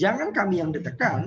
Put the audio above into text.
jangan kami yang ditekan